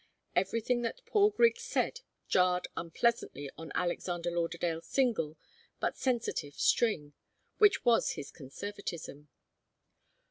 Everything that Paul Griggs said jarred unpleasantly on Alexander Lauderdale's single but sensitive string, which was his conservatism.